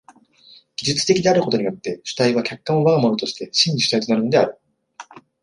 技術的であることによって主体は客観を我が物として真に主体となるのである。